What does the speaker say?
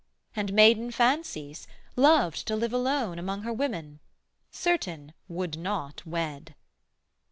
And maiden fancies; loved to live alone Among her women; certain, would not wed.